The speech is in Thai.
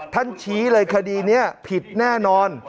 ชี้เลยคดีนี้ผิดแน่นอน